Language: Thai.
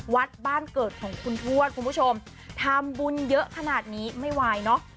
วัดบ้านเกิดของคุณทวดคุณผู้ชมทำบุญเยอะขนาดนี้ไม่ไหวเนอะ